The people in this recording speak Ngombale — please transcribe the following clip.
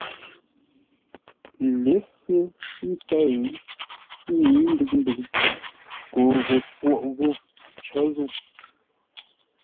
Lěsé ńtə́ʉ ńŋə́i ndʉŋ-ndʉŋ ko gho pwôghʼ ghô cǒ zə̂u.